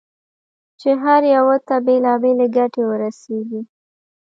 چې هر یوه ته بېلابېلې ګټې ورسېږي.